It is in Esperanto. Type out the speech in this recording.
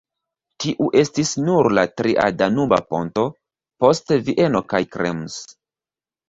Tiu estis nur la tria Danuba ponto, post Vieno kaj Krems.